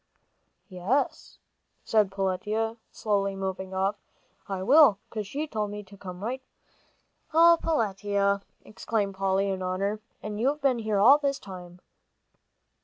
"Yes," said Peletiah, slowly moving off, "I will, 'cause she told me to come right back." "Oh, Peletiah!" exclaimed Polly, in horror, "and you've been here all this time!"